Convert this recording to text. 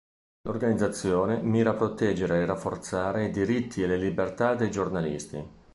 L'organizzazione mira a proteggere e rafforzare i diritti e le libertà dei giornalisti.